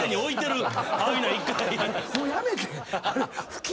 もうやめてん！